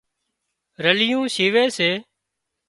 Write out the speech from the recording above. رليون شيوي سي